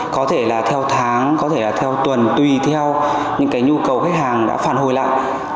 có thể là theo tháng có thể là theo tuần tùy theo những cái nhu cầu khách hàng đã phản hồi lại